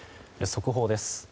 速報です。